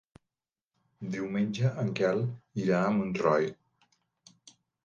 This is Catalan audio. Diumenge en Quel irà a Montroi.